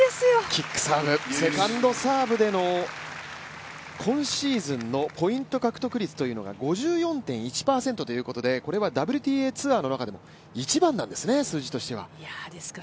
キックサーブセカンドサーブでの今シーズンのポイント獲得率というのが５４．１％ということでこれはＷＴＡツアーの中でも一番の数字なんですね。